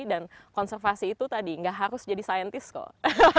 dan konservasi itu tadi gak harus jadi saintis kok